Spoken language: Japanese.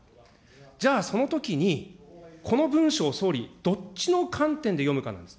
じゃあ、そのときに、この文書を総理、どっちの観点で読むかなんです。